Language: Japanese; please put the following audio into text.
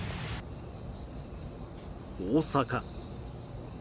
大阪。